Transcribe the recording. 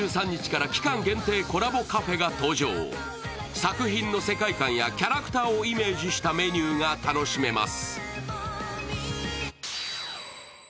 作品の世界観やキャラクターをイメージしたメニューが楽しめます。